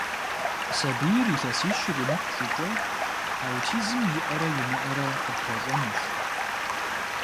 Сабийр илъэсищ иримыкъу щӀыкӀэ аутизм иӀэрэ имыӀэрэ къыпхуэщӀэнущ.